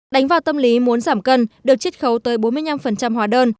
đánh vào tâm lý muốn giảm cân được chích khấu tới bốn mươi năm hóa đơn